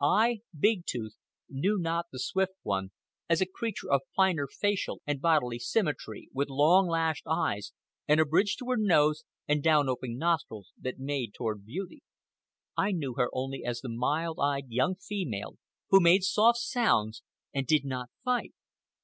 I, Big Tooth, knew not the Swift One as a creature of finer facial and bodily symmetry, with long lashed eyes and a bridge to her nose and down opening nostrils that made toward beauty. I knew her only as the mild eyed young female who made soft sounds and did not fight.